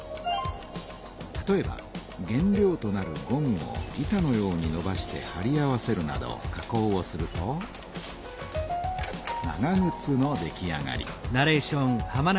例えば原料となるゴムを板のようにのばしてはり合わせるなど加工をすると長ぐつの出来上がり。